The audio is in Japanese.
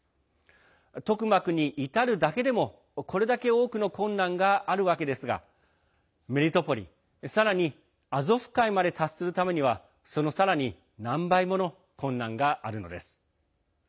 トクマクに至るだけでもこれだけ多くの困難があるわけですがメリトポリ、さらにアゾフ海まで達するためにはそのさらに何倍もの困難があるのです。